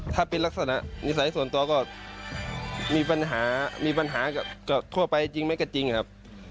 ถ้าเป็นลักษณะนิสัยส่วนตัวก็มีปัญหามีปัญหากับทั่วไปจริงไหมก็จริงครับ